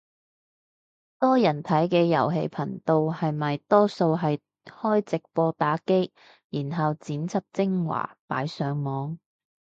多人睇嘅遊戲頻道係咪多數係開直播打機，然後剪輯精華擺上網